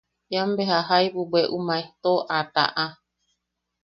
Ian beja jaibu bweʼu maejto, a taʼa.